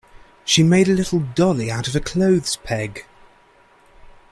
She made a little dolly out of a clothes peg